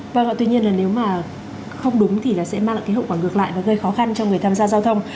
vâng ạ tuy nhiên là nếu mà không đúng thì là sẽ mang lại cái hậu quả ngược lại và gây khó khăn cho người tham gia giao thông